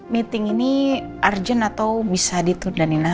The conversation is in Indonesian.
meeting ini urgent atau bisa ditunda nih